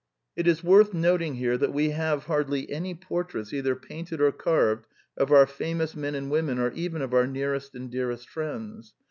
It is worth noting here that we have hardly any portraits, either painted or carved, of our famous men and women or even of our nearest and dearest friends.